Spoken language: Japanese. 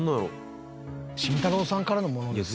慎太郎さんからのものですよね。